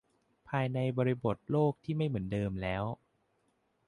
ภายในบริบทโลกที่ไม่เหมือนเดิมแล้ว